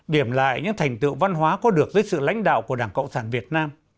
điểm lại những thành tựu văn hóa có được dưới sự lãnh đạo của đảng cộng sản việt nam